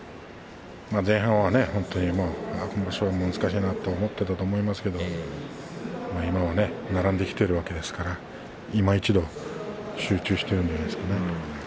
前半は本当に今場所も難しいなと思っていたと思いますが今は並んできているわけですから今一度集中しているんじゃないでしょうか。